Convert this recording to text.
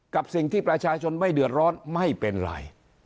กับสิ่งที่ประชาชนไม่เดือดร้อนไม่เป็นไร